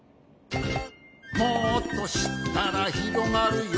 「もっとしったらひろがるよ」